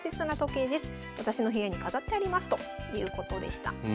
私の部屋に飾ってありますということでした。